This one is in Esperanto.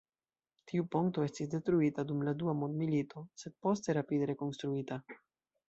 Tiu ponto estis detruita dum la dua mondmilito, sed poste rapide rekonstruita.